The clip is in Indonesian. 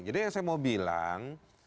jadi yang saya mau bilang